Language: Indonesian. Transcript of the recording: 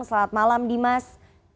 selamat malam dimas